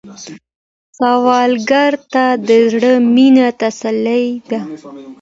سوالګر ته د زړه مينه تسلي ده